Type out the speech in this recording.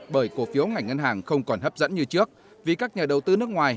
bởi cổ phiếu ngành ngân hàng không còn hấp dẫn như trước vì các nhà đầu tư nước ngoài